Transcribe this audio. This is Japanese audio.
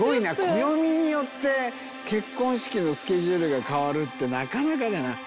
暦によって結婚式のスケジュールが変わるってなかなかだな。